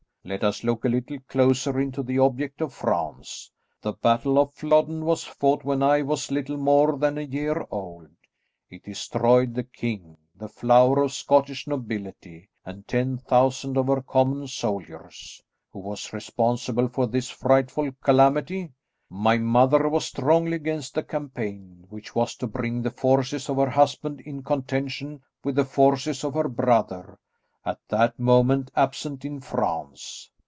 Let us look a little closer into the object of France. The battle of Flodden was fought when I was little more than a year old; it destroyed the king, the flower of Scottish nobility, and ten thousand of her common soldiers. Who was responsible for this frightful calamity? My mother was strongly against the campaign, which was to bring the forces of her husband in contention with the forces of her brother, at that moment absent in France.